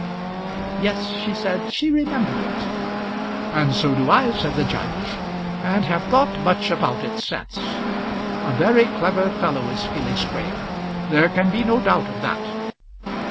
"Yes," she said, "she remembered it." "And so do I," said the judge, "and have thought much about it since. A very clever fellow is Felix Graham. There can be no doubt of that."